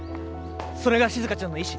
それがしずかちゃんの意志？